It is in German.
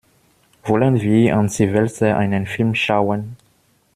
Wollen wir an Silvester einen Film schauen?